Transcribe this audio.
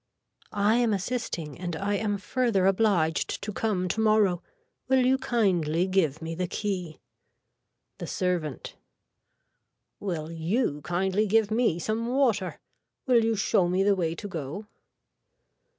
I am assisting and I am further obliged to come tomorrow. Will you kindly give me the key. (The servant.) Will you kindly give me some water. Will you show me the way to go.